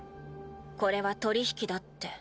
これは取り引きだって。